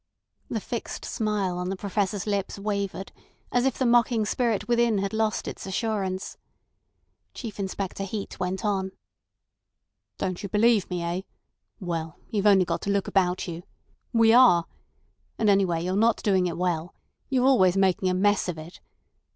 The fixed smile on the Professor's lips wavered, as if the mocking spirit within had lost its assurance. Chief Inspector Heat went on: "Don't you believe me eh? Well, you've only got to look about you. We are. And anyway, you're not doing it well. You're always making a mess of it.